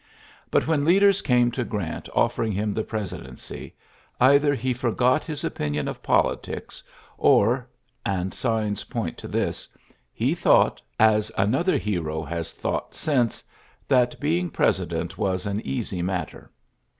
GEANT ' when leaders came to Grant offering him the presidency, either he forgot his opinion of politics, or (and signs point to this) he thought (as another hero has thought since) that being president was an easy matter.